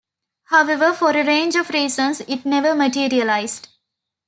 However, for a range of reasons it never materialised.